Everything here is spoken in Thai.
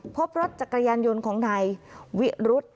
พบรถจักรยานยนต์ของนายวิรุธ